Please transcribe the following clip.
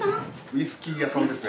ウイスキー屋さんですね。